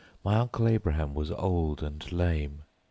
My Uncle Abraham was old and lame.